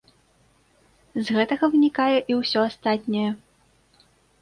З гэтага вынікае і ўсё астатняе.